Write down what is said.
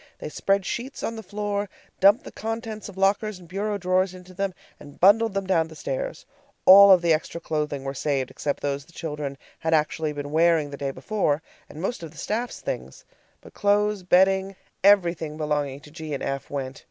They spread sheets on the floor, dumped the contents of lockers and bureau drawers into them, and bundled them down the stairs. All of the extra clothes were saved except those the children had actually been wearing the day before, and most of the staff's things. But clothes, bedding everything belonging to G and F went.